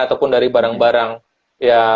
ataupun dari barang barang ya